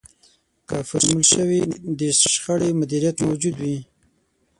که فورمول شوی د شخړې مديريت موجود وي.